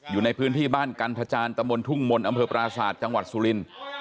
อยู่ในพื้นที่บ้านกันฐาจานตมททุ่งมลอำเภอปราศาสตร์จังหวัดสุลิน